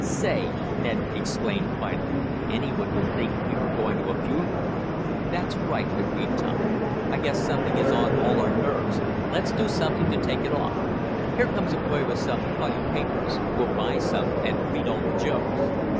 "Say," Ned exclaimed finally, "any one would think we were going to a funeral!" "That's right," agreed Tom. "I guess something is on all our nerves. Let's do something to take it off. Here comes a boy with some funny papers. We'll buy some and read all the jokes."